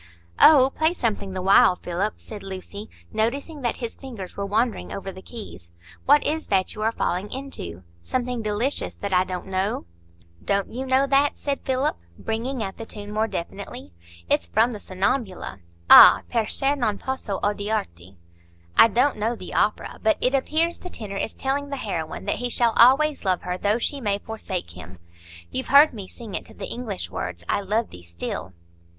"Oh, play something the while, Philip," said Lucy, noticing that his fingers were wandering over the keys. "What is that you are falling into?—something delicious that I don't know." "Don't you know that?" said Philip, bringing out the tune more definitely. "It's from the 'Sonnambula'—'Ah! perchè non posso odiarti.' I don't know the opera, but it appears the tenor is telling the heroine that he shall always love her though she may forsake him. You've heard me sing it to the English words, 'I love thee still.